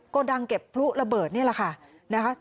โกดังเก็บรุ๊ระเบิดนี่แหละค่ะ